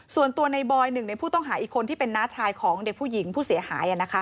ส่วนตัวในบอยหนึ่งในผู้ต้องหาอีกคนที่เป็นน้าชายของเด็กผู้หญิงผู้เสียหาย